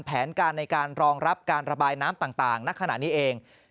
แผนการในการรองรับการระบายน้ำต่างณขณะนี้เอง